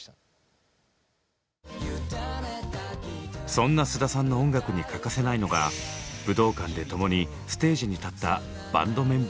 そんな菅田さんの音楽に欠かせないのが武道館で共にステージに立ったバンドメンバーの存在。